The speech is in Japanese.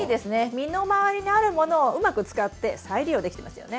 身の回りにあるものをうまく使って再利用できてますよね。